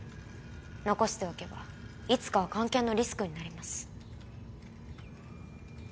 残しておけばいつかは菅研のリスクになります。